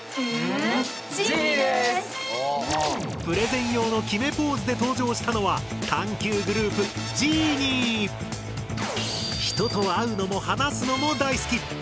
プレゼン用の決めポーズで登場したのは探究グループ人と会うのも話すのも大好き！